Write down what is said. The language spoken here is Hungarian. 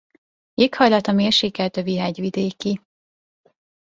Éghajlata mérsékelt övi hegyvidéki.